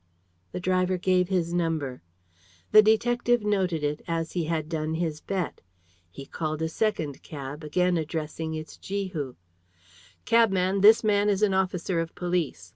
The driver gave his number. The detective noted it, as he had done his bet. He called a second cab, again addressing its Jehu. "Cabman, this man is an officer of police.